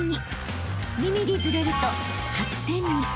［２ｍｍずれると８点に］